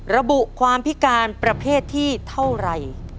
ระบุความพิการประเภทที่เท่าไหร่